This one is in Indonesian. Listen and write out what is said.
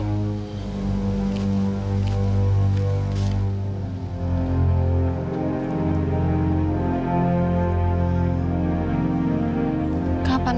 aku akan mencari